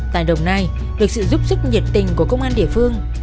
tại đồng nai được sự giúp sức nhiệt tình của công an địa phương